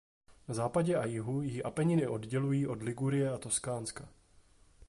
Na západě a jihu ji Apeniny oddělují od Ligurie a Toskánska.